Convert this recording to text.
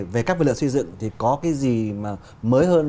về các vật liệu xây dựng thì có gì mới hơn